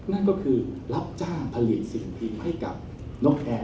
นั่นก็คือรับจ้างผลิตสิ่งพิมพ์ให้กับนกแอร์